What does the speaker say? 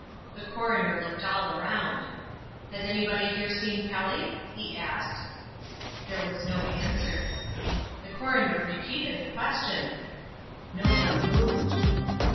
The coroner looked all around. "Has anybody here seen Kelly?" he asked. There was no answer. The coroner repeated the question. No one moved.